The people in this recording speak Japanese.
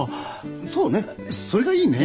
そうねそれがいいね。